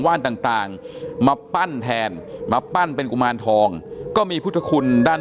ว่านต่างมาปั้นแทนมาปั้นเป็นกุมารทองก็มีพุทธคุณด้าน